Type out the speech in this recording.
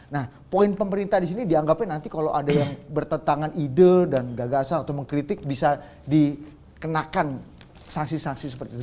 nah poin pemerintah di sini dianggapnya nanti kalau ada yang bertentangan ide dan gagasan atau mengkritik bisa dikenakan sanksi sanksi seperti itu